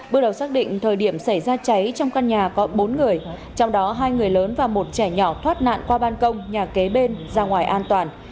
bước đầu xác định thời điểm xảy ra cháy trong căn nhà có bốn người trong đó hai người lớn và một trẻ nhỏ thoát nạn qua ban công nhà kế bên ra ngoài an toàn